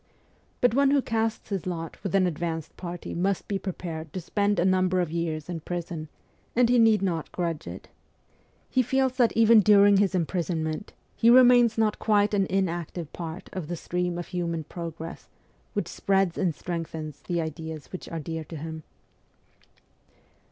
But one who casts his lot with an advanced party must be prepared to spend a number of years in prison, and he need not grudge it. He feels that even during his imprisonment he remains not quite an inactive part of the stream of human progress which spreads and strengthens the ideas which are dear to him.